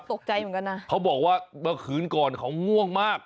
ตกใจเหมือนกันนะเขาบอกว่าเมื่อคืนก่อนเขาง่วงมาก